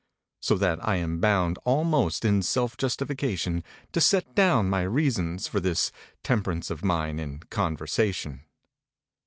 So that I am bound almost in self justification to set down my reasons for this temperance of mine in conversation.